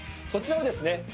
そちらをですね